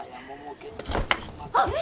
あ。